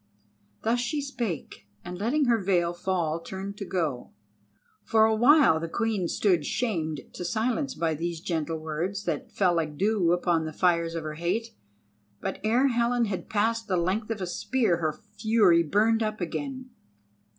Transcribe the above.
Thus she spake, and letting her veil fall turned to go. For awhile the Queen stood shamed to silence by these gentle words, that fell like dew upon the fires of her hate. But ere Helen had passed the length of a spear her fury burned up again.